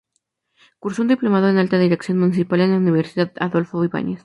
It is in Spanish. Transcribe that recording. Cursó un diplomado en Alta Dirección Municipal en la Universidad Adolfo Ibáñez.